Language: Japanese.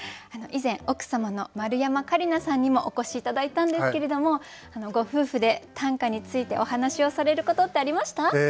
以前奥様の丸山桂里奈さんにもお越し頂いたんですけれどもご夫婦で短歌についてお話をされることってありました？